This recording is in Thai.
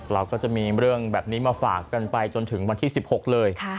เราก็จะมีเรื่องแบบนี้มาฝากกันไปจนถึงวันที่๑๖เลย